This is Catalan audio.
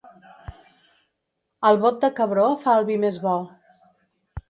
El bot de cabró fa el vi més bo.